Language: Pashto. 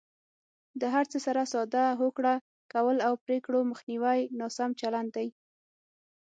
د هر څه سره ساده هوکړه کول او پرېکړو مخنیوی ناسم چلند دی.